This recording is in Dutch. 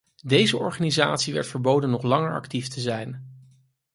Deze organisatie werd verboden nog langer actief te zijn.